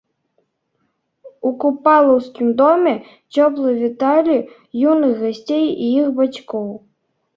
У купалаўскім доме цёпла віталі юных гасцей і іх бацькоў.